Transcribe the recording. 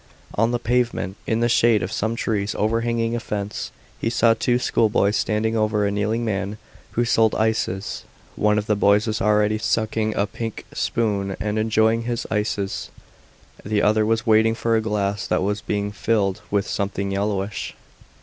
On the pavement, in the shade of some trees overhanging a fence, he saw two schoolboys standing over a kneeling man who sold ices. One of the boys was already sucking a pink spoon and enjoying his ices, the other was waiting for a glass that was being filled with something yellowish.